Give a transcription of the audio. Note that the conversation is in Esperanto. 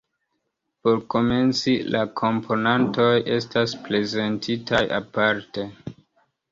Por komenci, la komponantoj estas prezentitaj aparte.